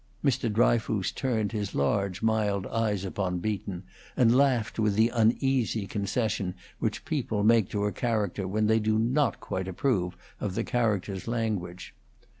Mr. Dryfoos turned his large, mild eyes upon Beaton, and laughed with the uneasy concession which people make to a character when they do not quite approve of the character's language.